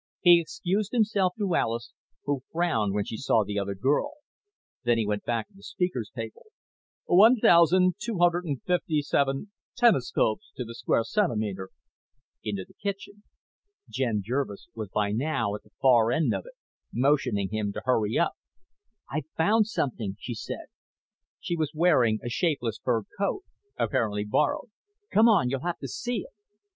He excused himself to Alis, who frowned when she saw the other girl; then he went back of the speaker's table ("... 1,257 tenescopes to the square centimeter ...") into the kitchen. Jen Jervis was by now at the far end of it, motioning him to hurry up. "I've found something," she said. She was wearing a shapeless fur coat, apparently borrowed. "Come on. You'll have to see it."